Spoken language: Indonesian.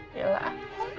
ya ya lah